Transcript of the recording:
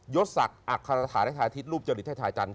ยศักดิ์อักษรฐานในทางอาทิตย์รูปจริตไทยจันทร์